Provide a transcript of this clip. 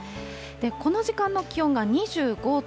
この時間の気温が２５．９度。